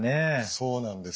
そうなんです。